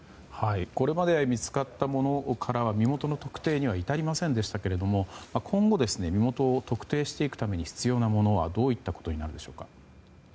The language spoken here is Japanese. これまで見つかったものからは身元の特定には至りませんでしたけれど今後、身元を特定していくために必要なものはどういったことになるでしょうか。